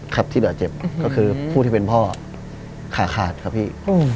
ครับที่บาดเจ็บก็คือผู้ที่เป็นพ่อขาขาดครับพี่